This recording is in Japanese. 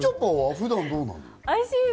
普段はどうなの？